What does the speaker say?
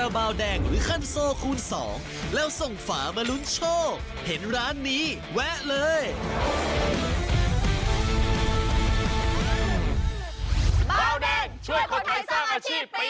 มาต้องตั้งสั่นขนาดนี้เลยหรอ